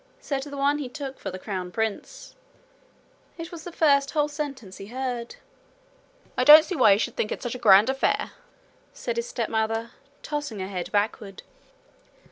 said the one he took for the crown prince. It was the first whole sentence he heard. 'I don't see why you should think it such a grand affair!' said his stepmother, tossing her head backward.